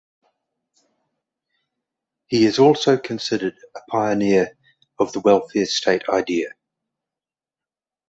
He is also considered a pioneer of the welfare state idea.